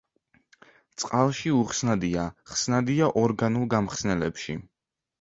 წყალში უხსნადია, ხსნადია ორგანულ გამხსნელებში.